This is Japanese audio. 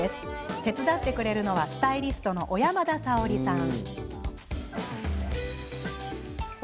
手伝ってくれるのはスタイリストの小山田早織さん。